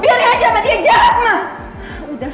biar dia aja diajak mah